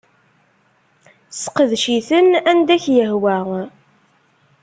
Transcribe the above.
Sseqdec-iten anda k-yehwa.